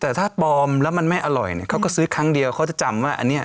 แต่ถ้าปลอมแล้วมันไม่อร่อยเนี่ยเขาก็ซื้อครั้งเดียวเขาจะจำว่าอันนี้